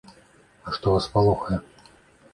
А што вас палохае?